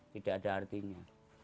tidak ada artinya